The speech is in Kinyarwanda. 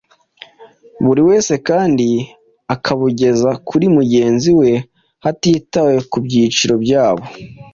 Buri wese kandi akabugeza kuri mugenzi we hatitawe ku byiciro byabo,